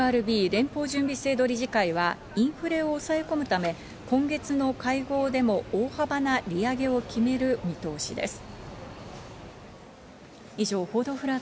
ＦＲＢ＝連邦準備制度理事会はインフレを抑え込むため、今月の会合でも大幅な利上げを決める見通しです。